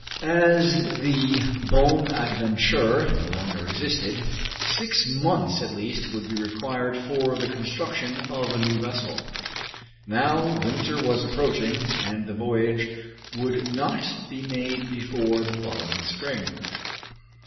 As the "Bonadventure" no longer existed, six months at least would be required for the construction of a new vessel. Now winter was approaching, and the voyage would not be made before the following spring.